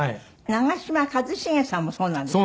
長嶋一茂さんもそうなんですって？